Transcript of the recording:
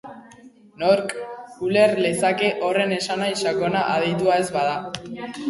Nork uler lezake horren esanahi sakona aditua ez bada?